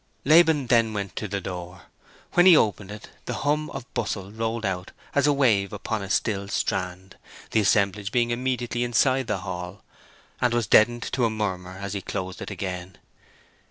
Laban then went to the door. When he opened it the hum of bustle rolled out as a wave upon a still strand—the assemblage being immediately inside the hall—and was deadened to a murmur as he closed it again.